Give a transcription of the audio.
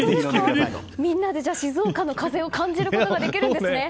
みんなで静岡の風を感じることができるんですね。